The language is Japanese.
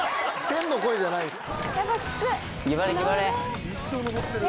天の声じゃないです。